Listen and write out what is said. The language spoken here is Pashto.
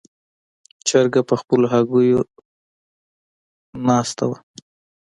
چرګه په خپلو هګیو ناستې وه.